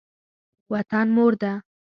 وطن مور ده.